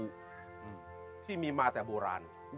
วัดสุทัศน์นี้จริงแล้วอยู่มากี่ปีตั้งแต่สมัยราชการไหนหรือยังไงครับ